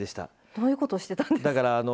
どういうことしたんですか？